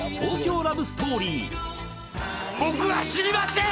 「僕は死にません！」